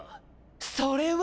それは。